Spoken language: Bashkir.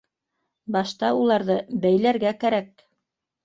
—Башта уларҙы бәйләргә кәрәк!